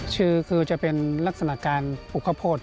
ชื่อคือจะเป็นลักษณะการปลูกข้าวโพด